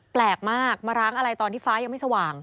แปลกมากมาร้างอะไรตอนที่ฟ้ายังไม่สว่าง